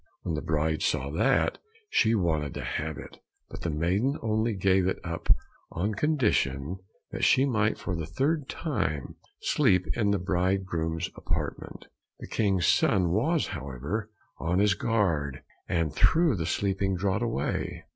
When the bride saw that she wanted to have it, but the maiden only gave it up on condition that she might for the third time sleep in the bridegroom's apartment. The King's son was, however, on his guard, and threw the sleeping draught away.